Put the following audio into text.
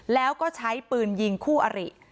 แล้วก็ใช้ปืนยิงคู่อริ